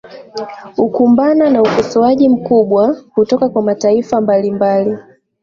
ukumbana na ukosoaji mkubwa kutoka kwa mataifa mbalimbali